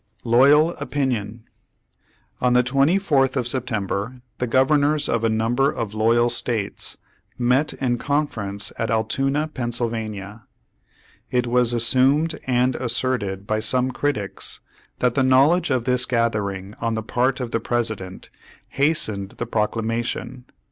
LOYAL OPINION On the 24th of September, the governors of a number of loyal States met in conference at Altoona, Pa. It was assumed and asserted by some critics that the knowledge of this gathering on the part of the President, hastened the Procla mation.